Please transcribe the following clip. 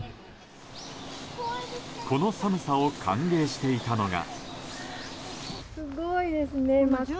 この寒さを歓迎していたのが。